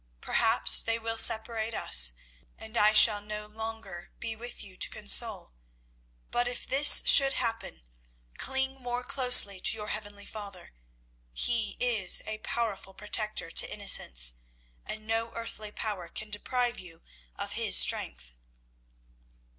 Perhaps they will separate us, and I shall no longer be with you to console; but if this should happen cling more closely to your heavenly Father. He is a powerful protector to innocence, and no earthly power can deprive you of His strength."